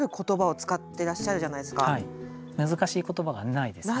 難しい言葉がないですよね。